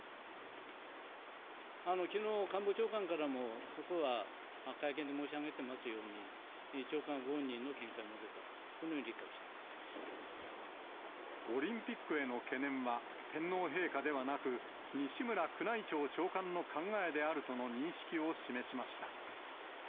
きのう、官房長官からも、そこは会見で申し上げてますように、長官ご本人の見解を述べたと、オリンピックへの懸念は、天皇陛下ではなく、西村宮内庁長官の考えであるとの認識を示しました。